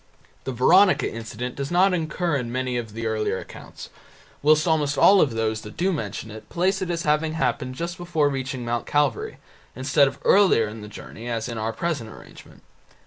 The Veronica incident does not occur in many of the earlier accounts, whilst almost all of those that do mention it place it as having happened just before reaching Mount Calvary, instead of earlier in the journey as in our present arrangement.